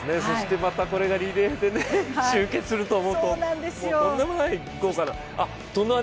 これがまたリレーで集結すると思うととんでもない豪華な。